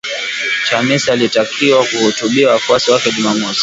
Chamisa alitakiwa kuhutubia wafuasi wake Jumamosi